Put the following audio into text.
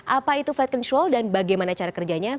apa itu flight control dan bagaimana cara kerjanya